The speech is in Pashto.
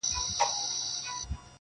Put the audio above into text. دی پاچا هغه فقیر دا څنګه کیږي؟!.